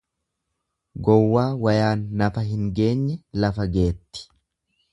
Gowwaa wayaan nafa hin geenye lafa geetti.